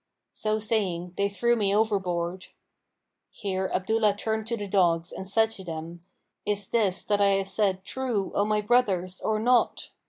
So saying, they threw me overboard." (Here Abdullah turned to the dogs and said to them, "Is this that I have said true O my brothers or not?"